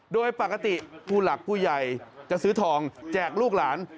โดยปกติผู้หลักผู้ใหญ่จะซื้อทองแจกลูกหลาน